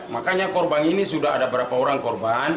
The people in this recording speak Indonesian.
makanya korban ini sudah ada berapa orang korban